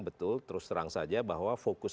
betul terus terang saja bahwa fokus